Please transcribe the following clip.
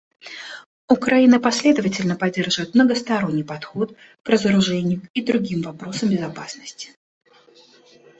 Украина последовательно поддерживает многосторонний подход к разоружению и другим вопросам безопасности.